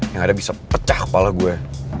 yang ada bisa pecah kepala gue